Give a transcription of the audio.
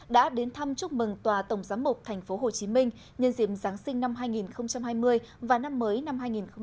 đã đến thăm chúc mừng tòa tổng giám mục tp hcm nhân diệm giáng sinh năm hai nghìn hai mươi và năm mới năm hai nghìn hai mươi một